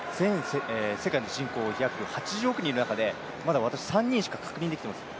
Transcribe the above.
世界の人口、約８０億人いる中でまだ３人しか確認できていません。